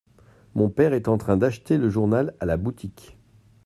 Mon père est en train d’acheter le journal à la boutique.